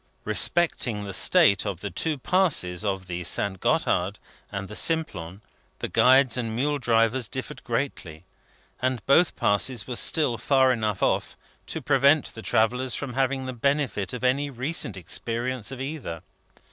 Respecting the state of the two Passes of the St. Gotthard and the Simplon, the guides and mule drivers differed greatly; and both passes were still far enough off, to prevent the travellers from having the benefit of any recent experience of either.